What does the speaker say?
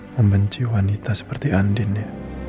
membenci wanita seperti andin ya